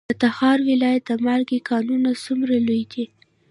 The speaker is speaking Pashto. د تخار ولایت د مالګې کانونه څومره لوی دي؟